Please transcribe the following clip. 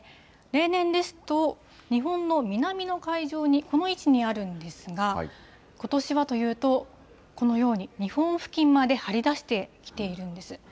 例年ですと、日本の南の海上に、この位置にあるんですが、ことしはというと、このように、日本付近まで張り出してきているんです。